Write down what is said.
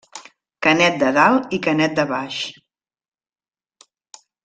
Canet de Dalt i Canet de Baix.